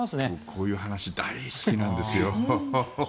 こういう話大好きなんですよ。